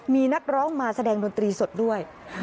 มีนักร้องมาแสดงดนตรีสดด้วย